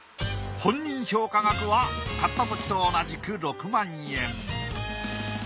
本人評価額は買ったときと同じく６万円。